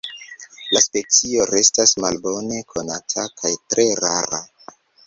La specio restas malbone konata kaj tre rara.